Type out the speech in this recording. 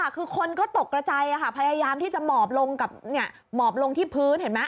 คือคนก็ตกใจค่ะพยายามที่จะหมอบลงที่พื้นเห็นไหม